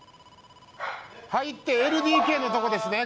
入ってＬＤＫのとこですね